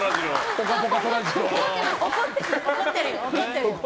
怒ってる。